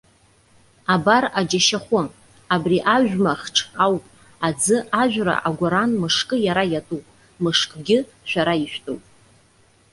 Абар, аџьашьахәы, абри ажәмахҽ ауп, аӡы ажәра агәаран мышкы иара иатәуп, мышкгьы шәара ишәтәуп.